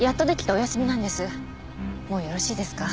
もうよろしいですか？